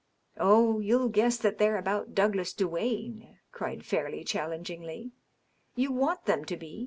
" Oh, you'll guess that they're about Douglas Duane," cried Fair leigh challengingly. " You want them to be.